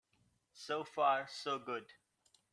So far so good.